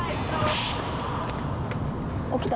起きた。